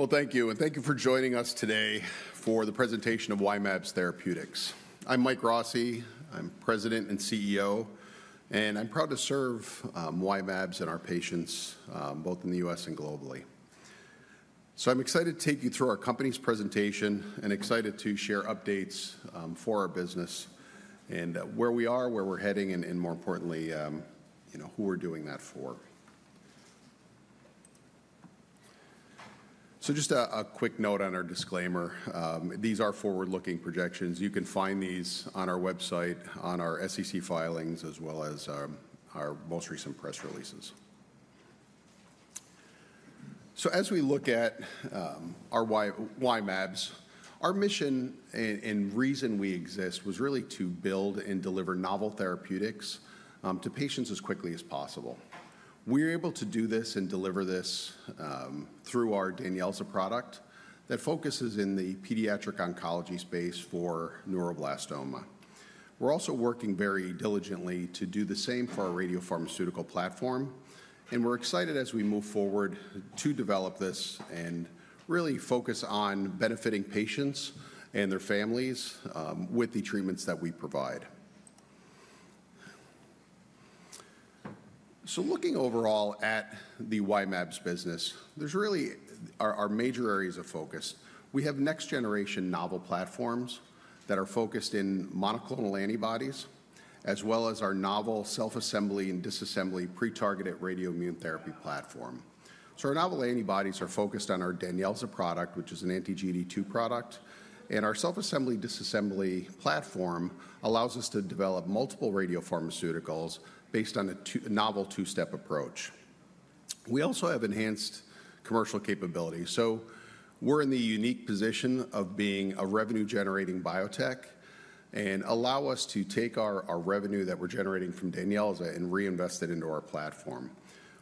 Well, thank you. And thank you for joining us today for the presentation of Y-mAbs Therapeutics. I'm Mike Rossi. I'm President and CEO, and I'm proud to serve Y-mAbs and our patients, both in the U.S. and globally. So I'm excited to take you through our company's presentation and excited to share updates for our business and where we are, where we're heading, and more importantly, you know, who we're doing that for. So just a quick note on our disclaimer: these are forward-looking projections. You can find these on our website, on our SEC filings, as well as our most recent press releases. So as we look at our Y-mAbs, our mission and reason we exist was really to build and deliver novel therapeutics to patients as quickly as possible. We're able to do this and deliver this through our Danyelza product that focuses in the pediatric oncology space for neuroblastoma. We're also working very diligently to do the same for our radiopharmaceutical platform, and we're excited as we move forward to develop this and really focus on benefiting patients and their families with the treatments that we provide. So looking overall at the Y-mAbs business, there's really our major areas of focus. We have next-generation novel platforms that are focused in monoclonal antibodies, as well as our novel self-assembly and disassembly pretargeted radioimmune therapy platform. So our novel antibodies are focused on our Danyelza product, which is an anti-GD2 product, and our self-assembly disassembly platform allows us to develop multiple radiopharmaceuticals based on a novel two-step approach. We also have enhanced commercial capability. We're in the unique position of being a revenue-generating biotech, and allow us to take our revenue that we're generating from Danyelza and reinvest it into our platform.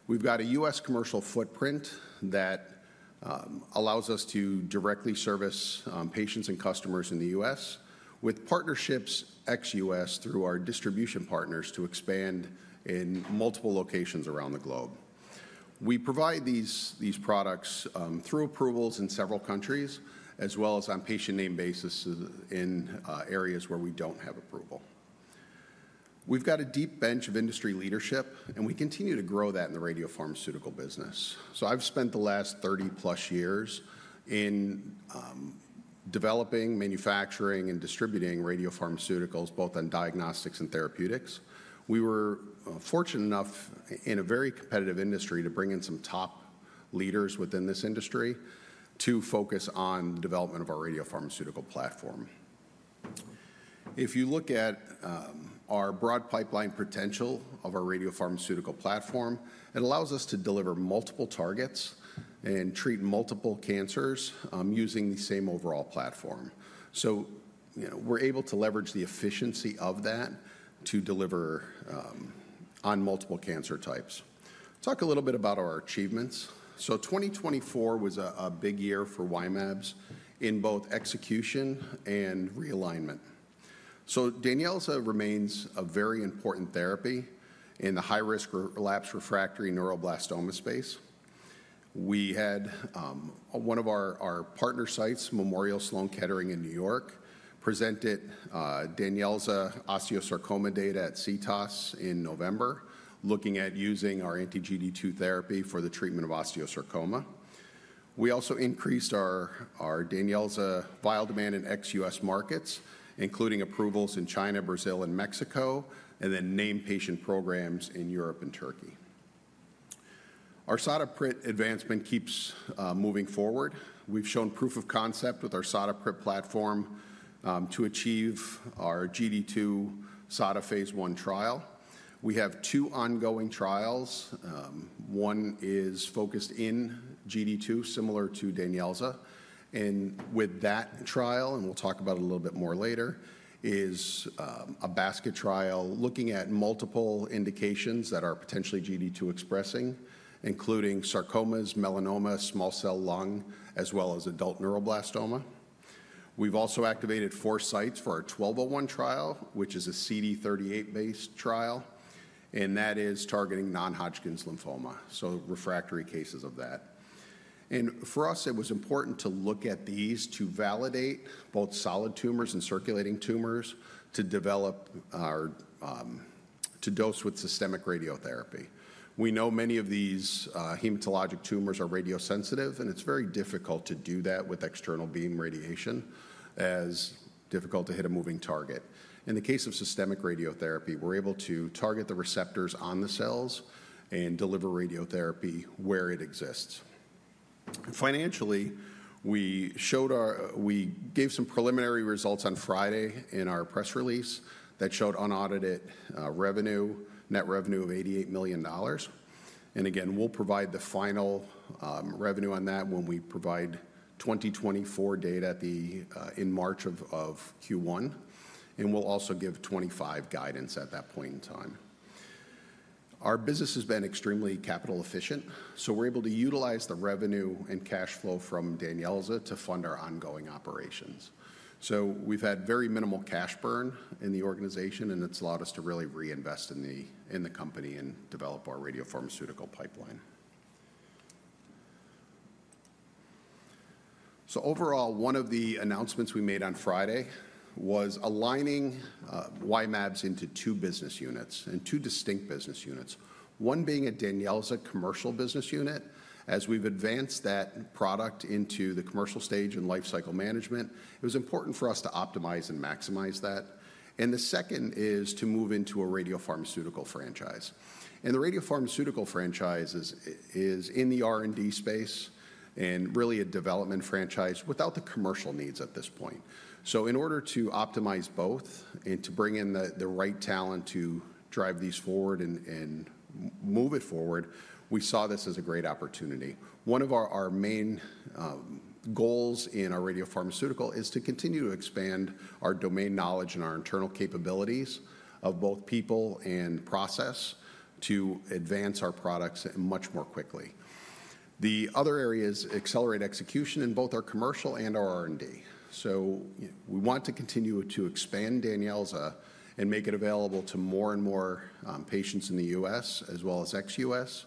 We've got a U.S. commercial footprint that allows us to directly service patients and customers in the U.S., with partnerships ex-U.S. through our distribution partners to expand in multiple locations around the globe. We provide these products through approvals in several countries, as well as on named patient basis in areas where we don't have approval. We've got a deep bench of industry leadership, and we continue to grow that in the radiopharmaceutical business. I've spent the last 30-plus years in developing, manufacturing, and distributing radiopharmaceuticals, both on diagnostics and therapeutics. We were fortunate enough, in a very competitive industry, to bring in some top leaders within this industry to focus on the development of our radiopharmaceutical platform. If you look at our broad pipeline potential of our radiopharmaceutical platform, it allows us to deliver multiple targets and treat multiple cancers using the same overall platform. So, you know, we're able to leverage the efficiency of that to deliver on multiple cancer types. Talk a little bit about our achievements. So 2024 was a big year for Y-mAbs in both execution and realignment. So Danyelza remains a very important therapy in the high-risk relapse/refractory neuroblastoma space. We had one of our partner sites, Memorial Sloan Kettering in New York, presented Danyelza osteosarcoma data at CTOS in November, looking at using our anti-GD2 therapy for the treatment of osteosarcoma. We also increased our Danyelza vial demand in ex-U.S. markets, including approvals in China, Brazil, and Mexico, and then named patient programs in Europe and Turkey. Our SADA PRIT advancement keeps moving forward. We've shown proof of concept with our SADA PRIT platform to achieve our GD2-SADA phase I trial. We have two ongoing trials. One is focused in GD2, similar to Danyelza, and with that trial, and we'll talk about it a little bit more later, is a basket trial looking at multiple indications that are potentially GD2 expressing, including sarcomas, melanoma, small cell lung, as well as adult neuroblastoma. We've also activated four sites for our 1201 trial, which is a CD38-based trial, and that is targeting non-Hodgkin's lymphoma, so refractory cases of that. And for us, it was important to look at these to validate both solid tumors and circulating tumors to develop our two-dose with systemic radiotherapy. We know many of these hematologic tumors are radiosensitive, and it's very difficult to do that with external beam radiation, as difficult to hit a moving target. In the case of systemic radiotherapy, we're able to target the receptors on the cells and deliver radiotherapy where it exists. Financially, we gave some preliminary results on Friday in our press release that showed unaudited revenue, net revenue of $88 million. Again, we'll provide the final revenue on that when we provide 2024 data in March of Q1, and we'll also give 2025 guidance at that point in time. Our business has been extremely capital-efficient, so we're able to utilize the revenue and cash flow from Danyelza to fund our ongoing operations. We've had very minimal cash burn in the organization, and it's allowed us to really reinvest in the company and develop our radiopharmaceutical pipeline. Overall, one of the announcements we made on Friday was aligning Y-mAbs into two business units and two distinct business units, one being a Danyelza commercial business unit. As we've advanced that product into the commercial stage and lifecycle management, it was important for us to optimize and maximize that. And the second is to move into a radiopharmaceutical franchise. And the radiopharmaceutical franchise is in the R&D space and really a development franchise without the commercial needs at this point. So in order to optimize both and to bring in the right talent to drive these forward and move it forward, we saw this as a great opportunity. One of our main goals in our radiopharmaceutical is to continue to expand our domain knowledge and our internal capabilities of both people and process to advance our products much more quickly. The other areas accelerate execution in both our commercial and our R&D, so we want to continue to expand Danyelza and make it available to more and more patients in the U.S., as well as ex-U.S.,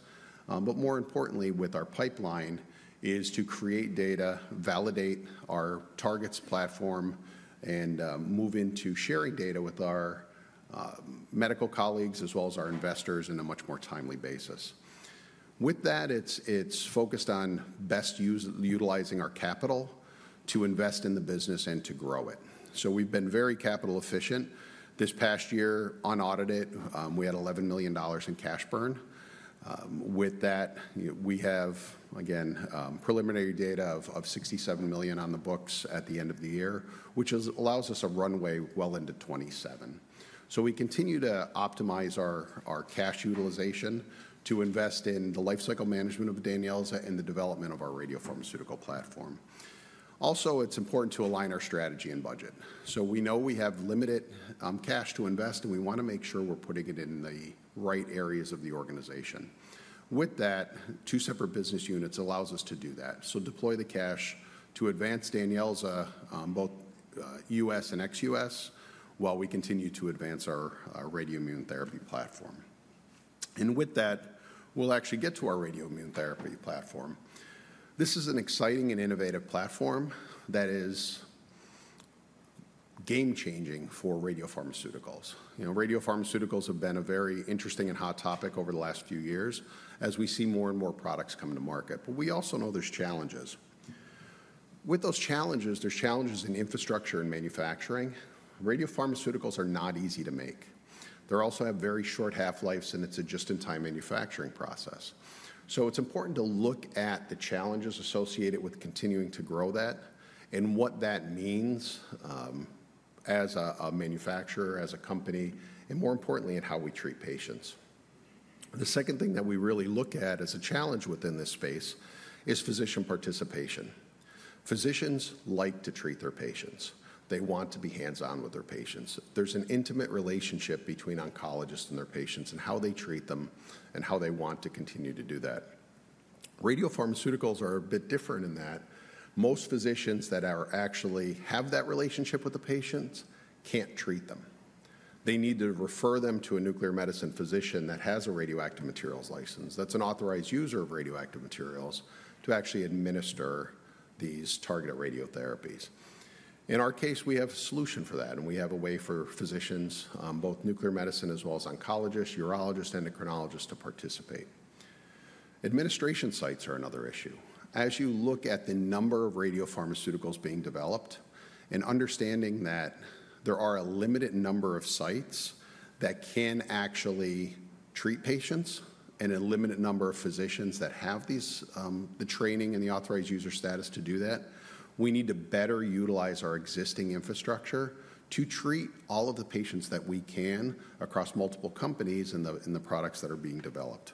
but more importantly, with our pipeline, is to create data, validate our targets platform, and move into sharing data with our medical colleagues, as well as our investors on a much more timely basis. With that, it's focused on best utilizing our capital to invest in the business and to grow it, so we've been very capital-efficient. This past year, unaudited, we had $11 million in cash burn. With that, we have, again, preliminary data of $67 million on the books at the end of the year, which allows us a runway well into 2027. We continue to optimize our cash utilization to invest in the lifecycle management of Danyelza and the development of our radiopharmaceutical platform. Also, it's important to align our strategy and budget. We know we have limited cash to invest, and we want to make sure we're putting it in the right areas of the organization. With that, two separate business units allow us to do that, so deploy the cash to advance Danyelza both U.S. and ex-U.S. while we continue to advance our radioimmune therapy platform. With that, we'll actually get to our radioimmune therapy platform. This is an exciting and innovative platform that is game-changing for radiopharmaceuticals. You know, radiopharmaceuticals have been a very interesting and hot topic over the last few years as we see more and more products come to market, but we also know there's challenges. With those challenges, there's challenges in infrastructure and manufacturing. Radiopharmaceuticals are not easy to make. They also have very short half-lives, and it's a just-in-time manufacturing process. So it's important to look at the challenges associated with continuing to grow that and what that means as a manufacturer, as a company, and more importantly, in how we treat patients. The second thing that we really look at as a challenge within this space is physician participation. Physicians like to treat their patients. They want to be hands-on with their patients. There's an intimate relationship between oncologists and their patients and how they treat them and how they want to continue to do that. Radiopharmaceuticals are a bit different in that most physicians that actually have that relationship with the patients can't treat them. They need to refer them to a nuclear medicine physician that has a radioactive materials license, that's an authorized user of radioactive materials, to actually administer these targeted radiotherapies. In our case, we have a solution for that, and we have a way for physicians, both nuclear medicine as well as oncologists, urologists, and endocrinologists to participate. Administration sites are another issue. As you look at the number of radiopharmaceuticals being developed and understanding that there are a limited number of sites that can actually treat patients and a limited number of physicians that have the training and the authorized user status to do that, we need to better utilize our existing infrastructure to treat all of the patients that we can across multiple companies and the products that are being developed.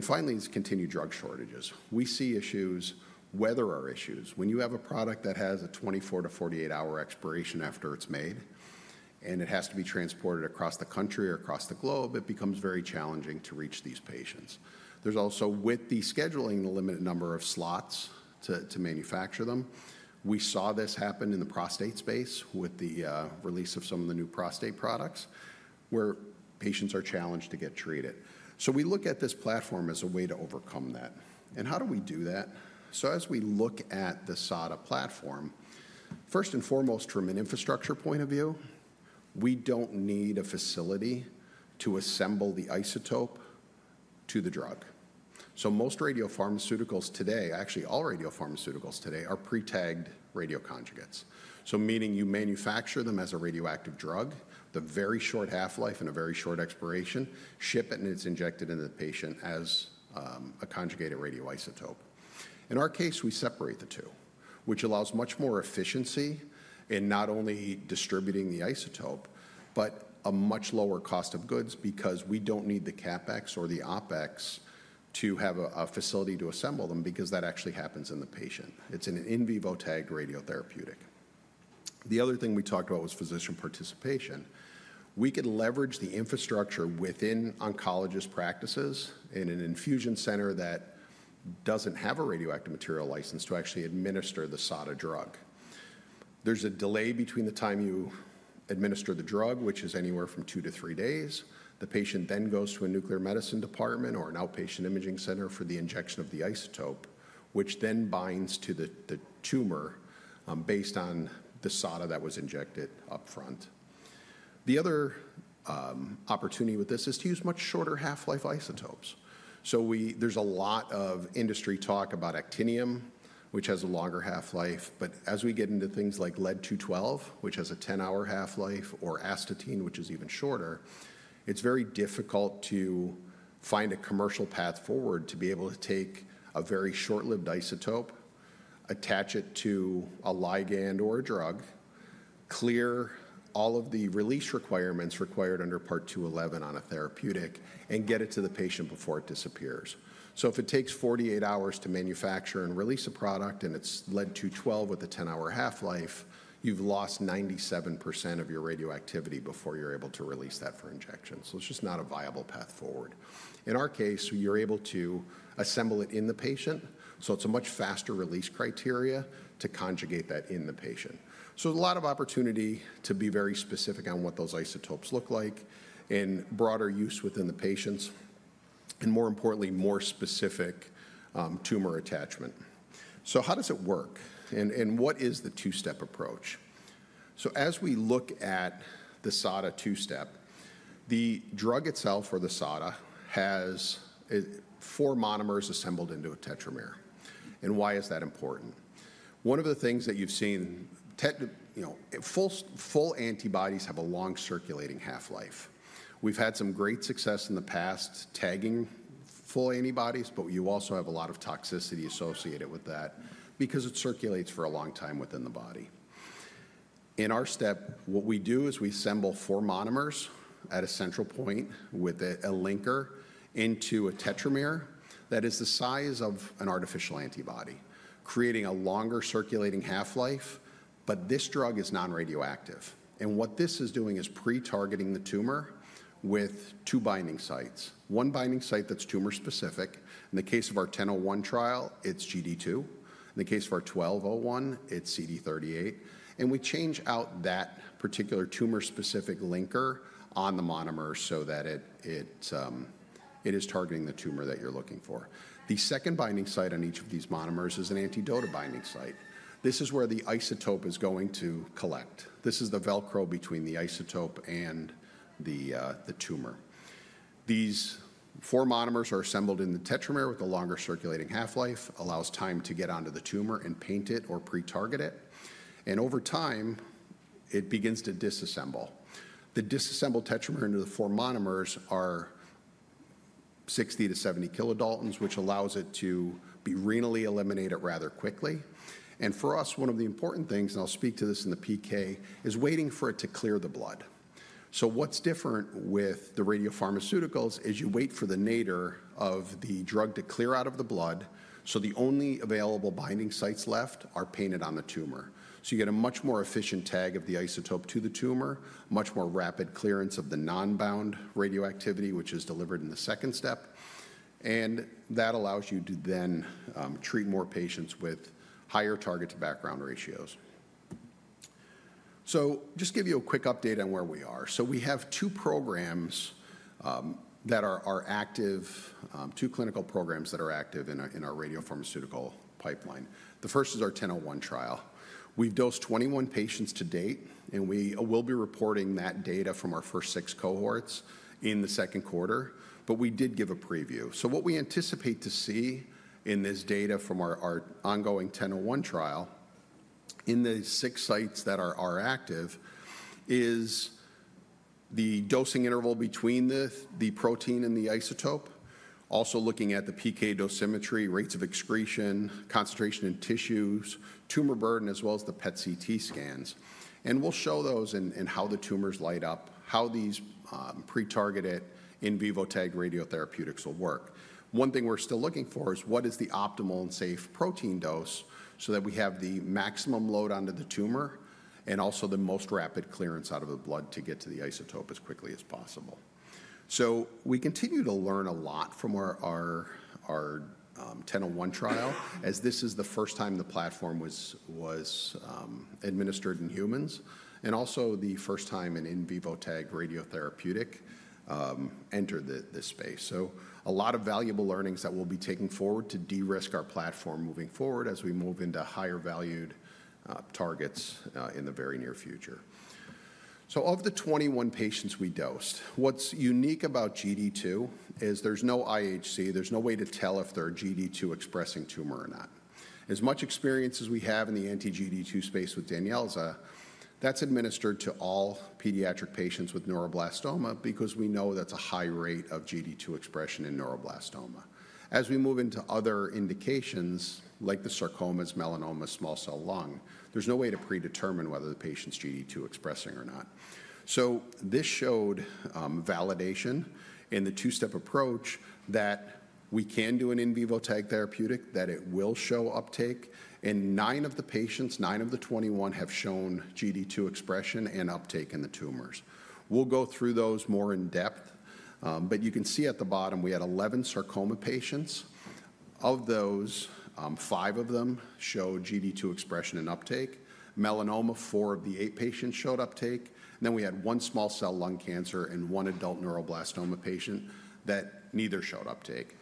Finally, it's continued drug shortages. We see issues, whether are issues. When you have a product that has a 24-48-hour expiration after it's made and it has to be transported across the country or across the globe, it becomes very challenging to reach these patients. There's also, with the scheduling, the limited number of slots to manufacture them. We saw this happen in the prostate space with the release of some of the new prostate products where patients are challenged to get treated. So we look at this platform as a way to overcome that. And how do we do that? So as we look at the SADA platform, first and foremost, from an infrastructure point of view, we don't need a facility to assemble the isotope to the drug. So most radiopharmaceuticals today, actually all radiopharmaceuticals today, are pretagged radioconjugates. So, meaning you manufacture them as a radioactive drug, the very short half-life and a very short expiration, ship it, and it's injected into the patient as a conjugated radioisotope. In our case, we separate the two, which allows much more efficiency in not only distributing the isotope, but a much lower cost of goods because we don't need the CapEx or the OpEx to have a facility to assemble them because that actually happens in the patient. It's an in vivo tagged radiotherapeutic. The other thing we talked about was physician participation. We could leverage the infrastructure within oncologist practices in an infusion center that doesn't have a radioactive material license to actually administer the SADA drug. There's a delay between the time you administer the drug, which is anywhere from two to three days. The patient then goes to a nuclear medicine department or an outpatient imaging center for the injection of the isotope, which then binds to the tumor based on the SADA that was injected upfront. The other opportunity with this is to use much shorter half-life isotopes. So there's a lot of industry talk about actinium, which has a longer half-life, but as we get into things like Lead-212, which has a 10-hour half-life, or astatine, which is even shorter, it's very difficult to find a commercial path forward to be able to take a very short-lived isotope, attach it to a ligand or a drug, clear all of the release requirements required under Part 211 on a therapeutic, and get it to the patient before it disappears. If it takes 48 hours to manufacture and release a product and it's Lead-212 with a 10-hour half-life, you've lost 97% of your radioactivity before you're able to release that for injection. It's just not a viable path forward. In our case, you're able to assemble it in the patient, so it's a much faster release criteria to conjugate that in the patient. There's a lot of opportunity to be very specific on what those isotopes look like and broader use within the patients and, more importantly, more specific tumor attachment. How does it work, and what is the two-step approach? As we look at the SADA two-step, the drug itself, or the SADA, has four monomers assembled into a tetramer. Why is that important? One of the things that you've seen, you know, full antibodies have a long circulating half-life. We've had some great success in the past tagging full antibodies, but you also have a lot of toxicity associated with that because it circulates for a long time within the body. In our step, what we do is we assemble four monomers at a central point with a linker into a tetramer that is the size of an artificial antibody, creating a longer circulating half-life, but this drug is non-radioactive. And what this is doing is pretargeting the tumor with two binding sites. One binding site that's tumor-specific. In the case of our 1001 trial, it's GD2. In the case of our 1201 trial, it's CD38. And we change out that particular tumor-specific linker on the monomer so that it is targeting the tumor that you're looking for. The second binding site on each of these monomers is an anti-DOTA binding site. This is where the isotope is going to collect. This is the Velcro between the isotope and the tumor. These four monomers are assembled in the tetramer with a longer circulating half-life, allows time to get onto the tumor and paint it or pretarget it. And over time, it begins to disassemble. The disassembled tetramer into the four monomers are 60-70 kilodaltons, which allows it to be renally eliminated rather quickly. And for us, one of the important things, and I'll speak to this in the PK, is waiting for it to clear the blood. So what's different with the radiopharmaceuticals is you wait for the nadir of the drug to clear out of the blood, so the only available binding sites left are painted on the tumor. So you get a much more efficient tag of the isotope to the tumor, much more rapid clearance of the non-bound radioactivity, which is delivered in the second step, and that allows you to then treat more patients with higher target to background ratios. So just to give you a quick update on where we are. So we have two programs that are active, two clinical programs that are active in our radiopharmaceutical pipeline. The first is our 1001 trial. We've dosed 21 patients to date, and we will be reporting that data from our first six cohorts in the second quarter, but we did give a preview. So what we anticipate to see in this data from our ongoing 1001 trial in the six sites that are active is the dosing interval between the protein and the isotope, also looking at the PK dosimetry, rates of excretion, concentration in tissues, tumor burden, as well as the PET/CT scans, and we'll show those and how the tumors light up, how these pre-targeted in vivo tagged radiotherapeutics will work. One thing we're still looking for is what is the optimal and safe protein dose so that we have the maximum load onto the tumor and also the most rapid clearance out of the blood to get to the isotope as quickly as possible, so we continue to learn a lot from our 1001 trial as this is the first time the platform was administered in humans and also the first time an in vivo tagged radiotherapeutic entered this space. A lot of valuable learnings that we'll be taking forward to de-risk our platform moving forward as we move into higher valued targets in the very near future. Of the 21 patients we dosed, what's unique about GD2 is there's no IHC. There's no way to tell if they're GD2-expressing tumor or not. As much experience as we have in the anti-GD2 space with Danyelza, that's administered to all pediatric patients with neuroblastoma because we know that's a high rate of GD2 expression in neuroblastoma. As we move into other indications like the sarcomas, melanoma, small cell lung, there's no way to predetermine whether the patient's GD2-expressing or not. So this showed validation in the two-step approach that we can do an in vivo tagged therapeutic, that it will show uptake, and nine of the patients, nine of the 21, have shown GD2 expression and uptake in the tumors. We'll go through those more in depth, but you can see at the bottom we had 11 sarcoma patients. Of those, five of them showed GD2 expression and uptake. Melanoma, four of the eight patients showed uptake. Then we had one small cell lung cancer and one adult neuroblastoma patient that neither showed uptake.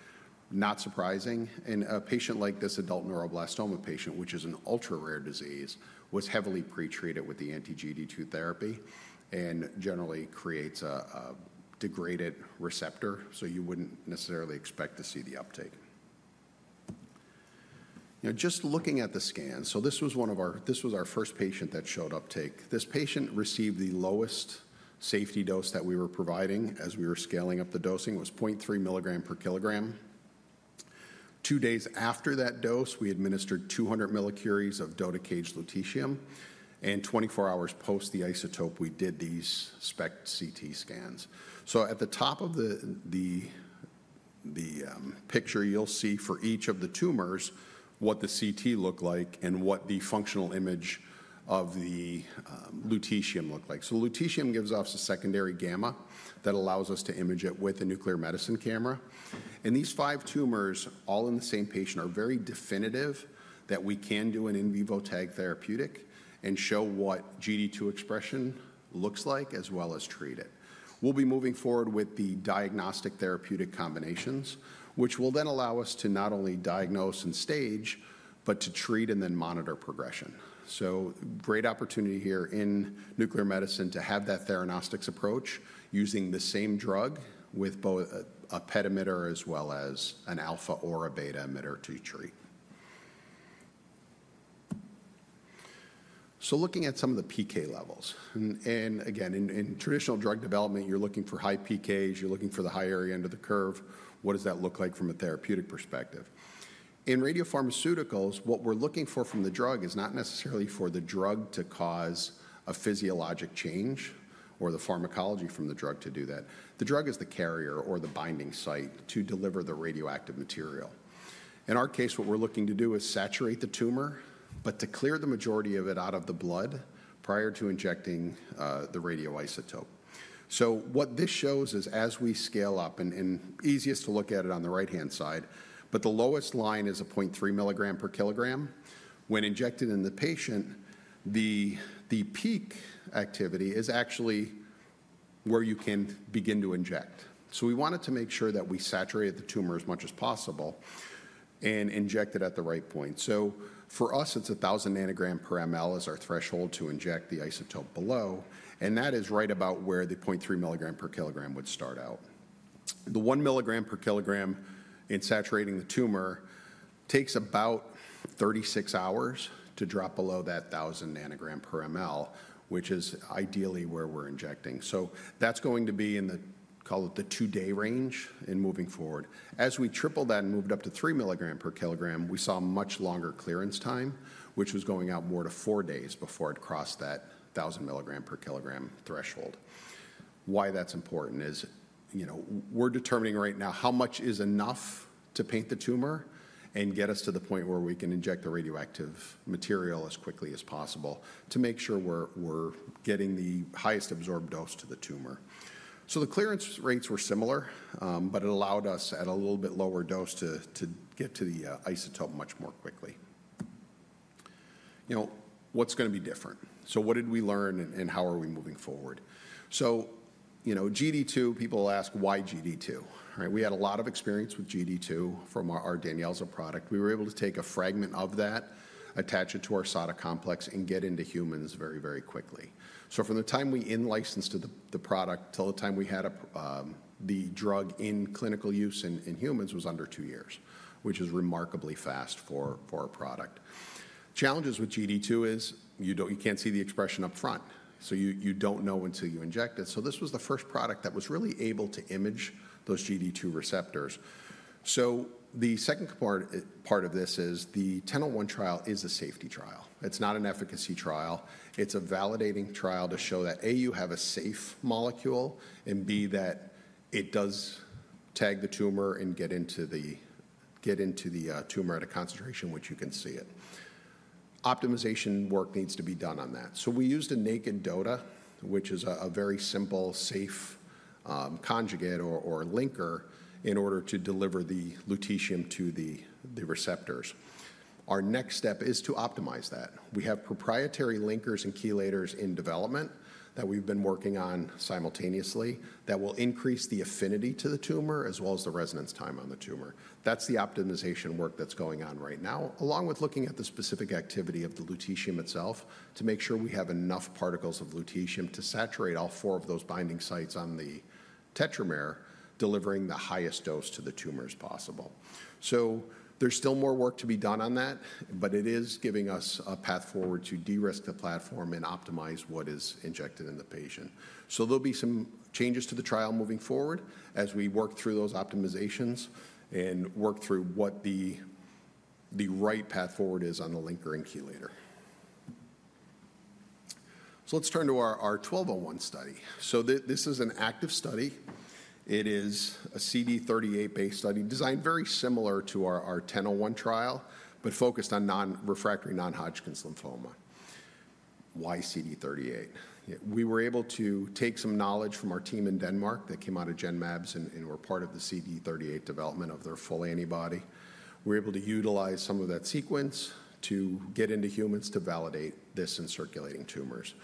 Not surprising. And a patient like this adult neuroblastoma patient, which is an ultra-rare disease, was heavily pretreated with the anti-GD2 therapy and generally creates a degraded receptor, so you wouldn't necessarily expect to see the uptake. Now, just looking at the scans, so this was our first patient that showed uptake. This patient received the lowest safety dose that we were providing as we were scaling up the dosing. It was 0.3 milligram per kilogram. Two days after that dose, we administered 200 millicuries of DOTA and 24 hours post the isotope, we did these SPECT/CT scans. So at the top of the picture, you'll see for each of the tumors what the CT looked like and what the functional image of the lutetium looked like. So lutetium gives off a secondary gamma that allows us to image it with a nuclear medicine camera. And these five tumors, all in the same patient, are very definitive that we can do an in vivo tagged therapeutic and show what GD2 expression looks like as well as treat it. We'll be moving forward with the diagnostic therapeutic combinations, which will then allow us to not only diagnose and stage, but to treat and then monitor progression. So great opportunity here in nuclear medicine to have that theranostics approach using the same drug with both a PET emitter as well as an alpha or a beta emitter to treat. So looking at some of the PK levels. And again, in traditional drug development, you're looking for high PKs. You're looking for the higher end of the curve. What does that look like from a therapeutic perspective? In radiopharmaceuticals, what we're looking for from the drug is not necessarily for the drug to cause a physiologic change or the pharmacology from the drug to do that. The drug is the carrier or the binding site to deliver the radioactive material. In our case, what we're looking to do is saturate the tumor, but to clear the majority of it out of the blood prior to injecting the radioisotope. So what this shows is as we scale up, and easiest to look at it on the right-hand side, but the lowest line is a 0.3 milligram per kg. When injected in the patient, the peak activity is actually where you can begin to inject. So we wanted to make sure that we saturated the tumor as much as possible and injected at the right point. So for us, it's 1,000 nanogram per mL is our threshold to inject the isotope below, and that is right about where the 0.3 milligram per kg would start out. The 1 milligram per kg in saturating the tumor takes about 36 hours to drop below that 1,000 nanograms per mL, which is ideally where we're injecting. So that's going to be in the, call it the two-day range in moving forward. As we tripled that and moved it up to 3 milligrams per kg, we saw much longer clearance time, which was going out more to four days before it crossed that 1,000 milligrams per kg threshold. Why that's important is, you know, we're determining right now how much is enough to paint the tumor and get us to the point where we can inject the radioactive material as quickly as possible to make sure we're getting the highest absorbed dose to the tumor. So the clearance rates were similar, but it allowed us at a little bit lower dose to get to the isotope much more quickly. You know, what's going to be different? So what did we learn and how are we moving forward? So, you know, GD2, people ask, why GD2? All right, we had a lot of experience with GD2 from our Danyelza product. We were able to take a fragment of that, attach it to our SADA complex, and get into humans very, very quickly. So from the time we in-licensed to the product till the time we had the drug in clinical use in humans was under two years, which is remarkably fast for our product. Challenges with GD2 is you can't see the expression upfront, so you don't know until you inject it. So this was the first product that was really able to image those GD2 receptors. So the second part of this is the 1001 trial is a safety trial. It's not an efficacy trial. It's a validating trial to show that, A, you have a safe molecule, and B, that it does tag the tumor and get into the tumor at a concentration which you can see it. Optimization work needs to be done on that. So we used a naked DOTA, which is a very simple, safe conjugate or linker in order to deliver the lutetium to the receptors. Our next step is to optimize that. We have proprietary linkers and chelators in development that we've been working on simultaneously that will increase the affinity to the tumor as well as the residence time on the tumor. That's the optimization work that's going on right now, along with looking at the specific activity of the lutetium itself to make sure we have enough particles of lutetium to saturate all four of those binding sites on the tetramer, delivering the highest dose to the tumor as possible. So there's still more work to be done on that, but it is giving us a path forward to de-risk the platform and optimize what is injected in the patient. So there'll be some changes to the trial moving forward as we work through those optimizations and work through what the right path forward is on the linker and chelator. So let's turn to our 1201 study. So this is an active study. It is a CD38-based study designed very similar to our 1001 trial, but focused on relapsed/refractory non-Hodgkin's lymphoma. Why CD38? We were able to take some knowledge from our team in Denmark that came out of Genmab and were part of the CD38 development of their full antibody. We're able to utilize some of that sequence to get into humans to validate this in circulating tumors.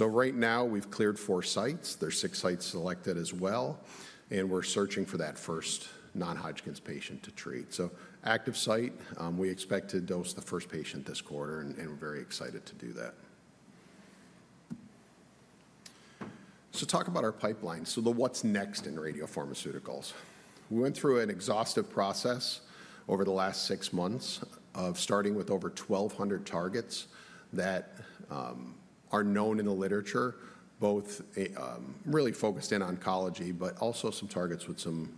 Right now, we've cleared four sites. There are six sites selected as well, and we're searching for that first non-Hodgkin's patient to treat. Active sites, we expect to dose the first patient this quarter, and we're very excited to do that. Talk about our pipeline. What's next in radiopharmaceuticals. We went through an exhaustive process over the last six months of starting with over 1,200 targets that are known in the literature, both really focused in oncology, but also some targets with some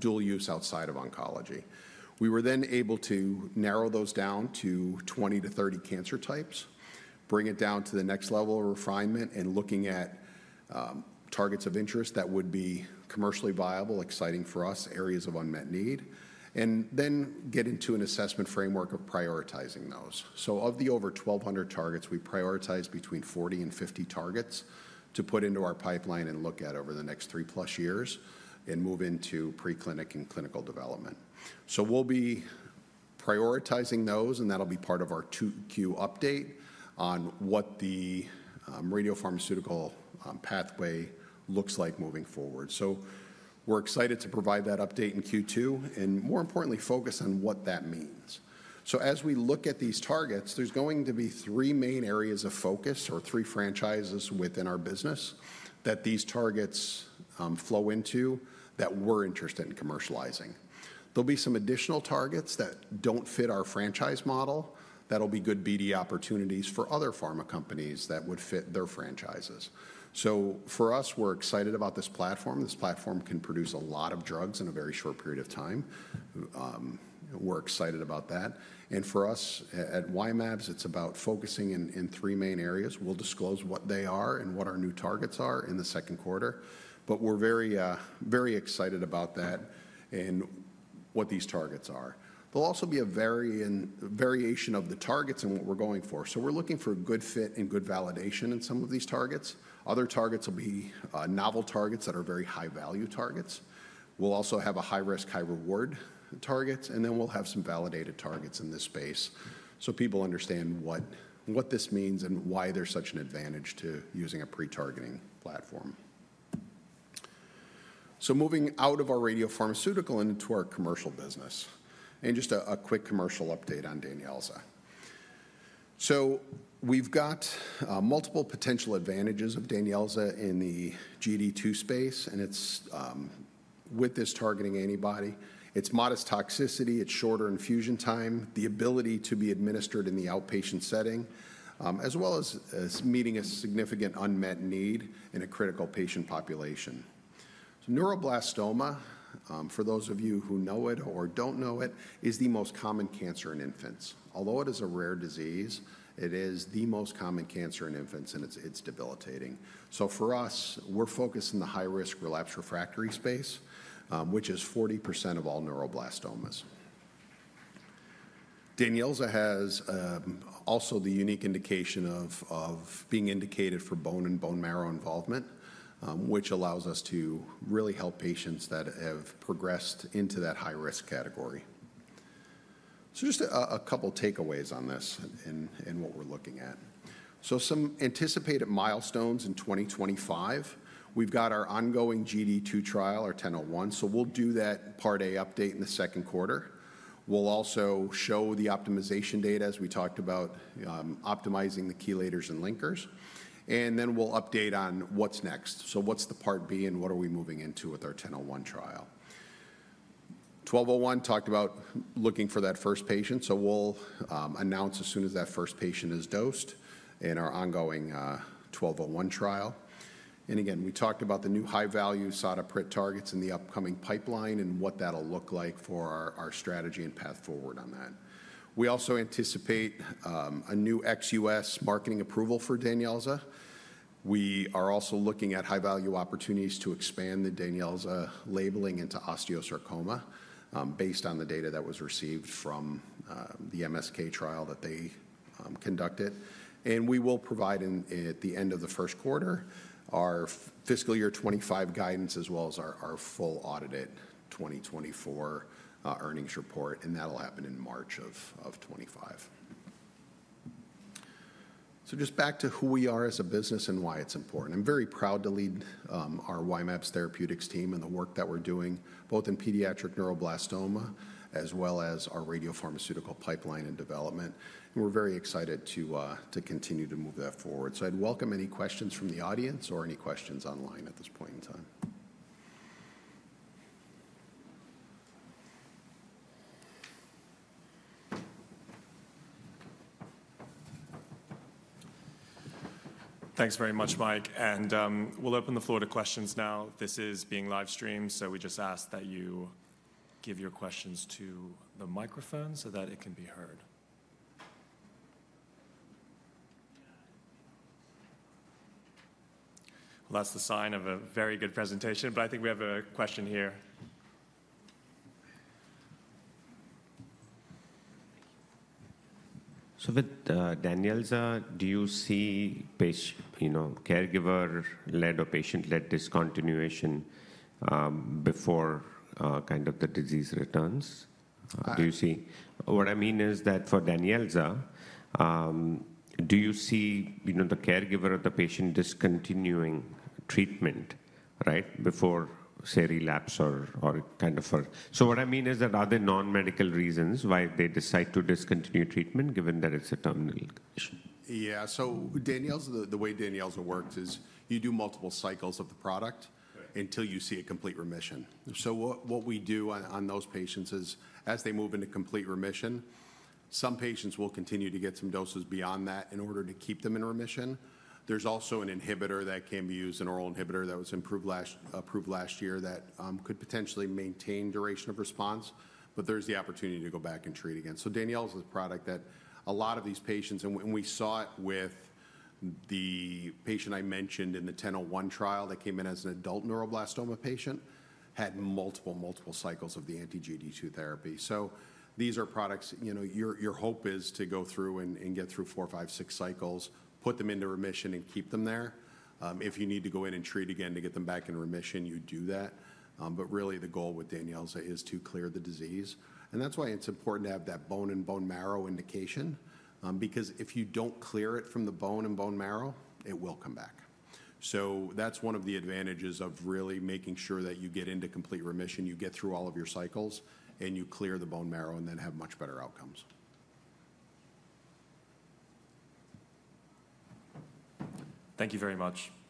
dual use outside of oncology. We were then able to narrow those down to 20 to 30 cancer types, bring it down to the next level of refinement, and looking at targets of interest that would be commercially viable, exciting for us, areas of unmet need, and then get into an assessment framework of prioritizing those, so of the over 1,200 targets, we prioritized between 40 and 50 targets to put into our pipeline and look at over the next three-plus years and move into preclinical and clinical development, so we'll be prioritizing those, and that'll be part of our Q2 update on what the radiopharmaceutical pathway looks like moving forward, so we're excited to provide that update in Q2 and, more importantly, focus on what that means. So as we look at these targets, there's going to be three main areas of focus or three franchises within our business that these targets flow into that we're interested in commercializing. There'll be some additional targets that don't fit our franchise model that'll be good BD opportunities for other pharma companies that would fit their franchises. So for us, we're excited about this platform. This platform can produce a lot of drugs in a very short period of time. We're excited about that. And for us at Y-mAbs, it's about focusing in three main areas. We'll disclose what they are and what our new targets are in the second quarter, but we're very excited about that and what these targets are. There'll also be a variation of the targets and what we're going for. So we're looking for a good fit and good validation in some of these targets. Other targets will be novel targets that are very high-value targets. We'll also have a high-risk, high-reward target, and then we'll have some validated targets in this space so people understand what this means and why there's such an advantage to using a pretargeting platform. So moving out of our radiopharmaceutical and into our commercial business, and just a quick commercial update on Danyelza. So we've got multiple potential advantages of Danyelza in the GD2 space, and it's with this targeting antibody. It's modest toxicity. It's shorter infusion time, the ability to be administered in the outpatient setting, as well as meeting a significant unmet need in a critical patient population. So neuroblastoma, for those of you who know it or don't know it, is the most common cancer in infants. Although it is a rare disease, it is the most common cancer in infants, and it's debilitating. So for us, we're focused in the high-risk relapse refractory space, which is 40% of all neuroblastomas. Danyelza has also the unique indication of being indicated for bone and bone marrow involvement, which allows us to really help patients that have progressed into that high-risk category. So just a couple of takeaways on this and what we're looking at. So some anticipated milestones in 2025. We've got our ongoing GD2 trial, our 1001, so we'll do that Part A update in the second quarter. We'll also show the optimization data as we talked about optimizing the chelators and linkers, and then we'll update on what's next. So what's the Part B and what are we moving into with our 1001 trial? 1201 talked about looking for that first patient, so we'll announce as soon as that first patient is dosed in our ongoing 1201 trial. Again, we talked about the new high-value SADA PRIT targets in the upcoming pipeline and what that'll look like for our strategy and path forward on that. We also anticipate a new ex-U.S. marketing approval for Danyelza. We are also looking at high-value opportunities to expand the Danyelza labeling into osteosarcoma based on the data that was received from the MSK trial that they conducted. We will provide at the end of the first quarter our fiscal year 2025 guidance as well as our full audited 2024 earnings report, and that'll happen in March of 2025. Just back to who we are as a business and why it's important. I'm very proud to lead our Y-mAbs Therapeutics team and the work that we're doing both in pediatric neuroblastoma as well as our radiopharmaceutical pipeline and development. We're very excited to continue to move that forward. So I'd welcome any questions from the audience or any questions online at this point in time. Thanks very much, Mike. And we'll open the floor to questions now. This is being live streamed, so we just ask that you give your questions to the microphone so that it can be heard. Well, that's the sign of a very good presentation, but I think we have a question here. So with Danyelza, do you see caregiver-led or patient-led discontinuation before kind of the disease returns? Do you see what I mean is that for Danyelza, do you see the caregiver or the patient discontinuing treatment, right, before say relapse or kind of for so what I mean is that are there non-medical reasons why they decide to discontinue treatment given that it's a terminal condition? Yeah, so Danyelza, the way Danyelza works is you do multiple cycles of the product until you see a complete remission. So what we do on those patients is as they move into complete remission, some patients will continue to get some doses beyond that in order to keep them in remission. There's also an inhibitor that can be used, an oral inhibitor that was approved last year that could potentially maintain duration of response, but there's the opportunity to go back and treat again. So Danyelza is a product that a lot of these patients, and we saw it with the patient I mentioned in the 1001 trial that came in as an adult neuroblastoma patient, had multiple, multiple cycles of the anti-GD2 therapy. So these are products, you know, your hope is to go through and get through four, five, six cycles, put them into remission, and keep them there. If you need to go in and treat again to get them back in remission, you do that. But really, the goal with Danyelza is to clear the disease. And that's why it's important to have that bone and bone marrow indication, because if you don't clear it from the bone and bone marrow, it will come back. So that's one of the advantages of really making sure that you get into complete remission, you get through all of your cycles, and you clear the bone marrow and then have much better outcomes. Thank you very much.